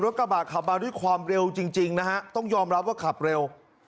กระบะขับมาด้วยความเร็วจริงนะฮะต้องยอมรับว่าขับเร็ว